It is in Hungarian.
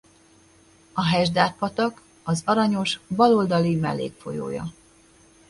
A Hesdát-patak az Aranyos bal oldali mellékfolyója.